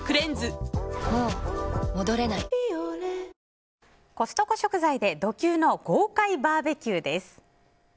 わかるぞコストコ食材でド級の豪快バーベキューです。